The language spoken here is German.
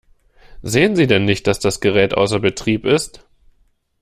Sehen Sie denn nicht, dass das Gerät außer Betrieb ist?